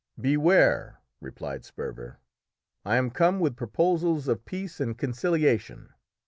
"Beware," replied Sperver. "I am come with proposals of peace and conciliation.